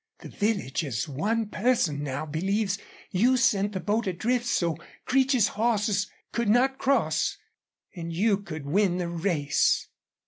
The village as one person now believes you sent the boat adrift so Creech's horses could not cross and you could win the race."